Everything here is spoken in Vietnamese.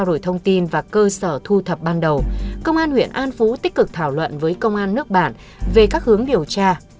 trong một cuộc giao thông tin và cơ sở thu thập ban đầu công an huyện an phú tích cực thảo luận với công an nước bạn về các hướng điều tra